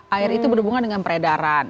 air itu berhubungan dengan peredaran